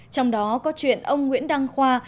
trong đó có chuyện ông nguyễn đăng khoa